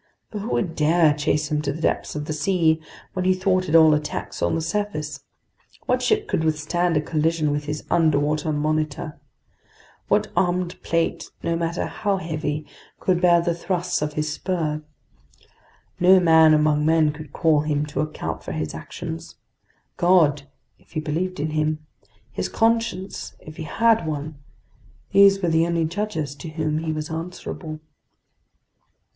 For who would dare chase him to the depths of the sea when he thwarted all attacks on the surface? What ship could withstand a collision with his underwater Monitor? What armor plate, no matter how heavy, could bear the thrusts of his spur? No man among men could call him to account for his actions. God, if he believed in Him, his conscience if he had one—these were the only judges to whom he was answerable.